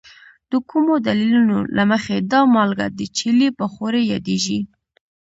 د کومو دلیلونو له مخې دا مالګه د چیلي په ښورې یادیږي؟